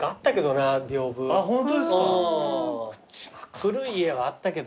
古い家はあったけどね。